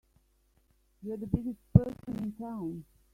You're the biggest person in town!